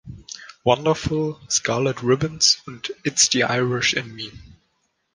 Wonderful“, „Scarlet Ribbons“ und „It's the Irish in Me“.